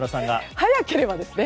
早ければですよ。